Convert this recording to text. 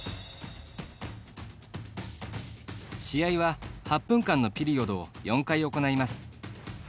試合は８分間のピリオドを４回行います。